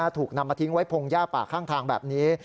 ถูกนำมาทิ้งไว้พงหญ้าป่าข้างทางแบบนี้